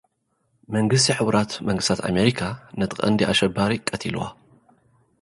መንግስቲ ሕቡራት መንግስታት ኣመሪካ፡ ነቲ ቐንዲ ኣሸባሪ ቐቲልዎ።